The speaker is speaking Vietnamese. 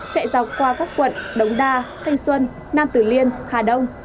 chạy dọc qua các quận đống đa thanh xuân nam tử liêm hà đông